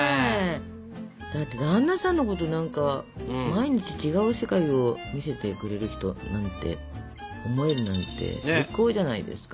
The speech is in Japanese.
だって旦那さんのこと何か「毎日違う世界を見せてくれる人」なんて思えるなんて最高じゃないですか。